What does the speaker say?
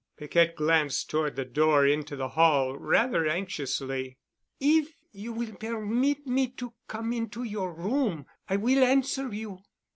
Piquette glanced toward the door into the hall rather anxiously. "If you will permit me to come into your room I will answer you."